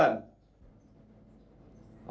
dan pencuri yang sebenarnya dapat ditemukan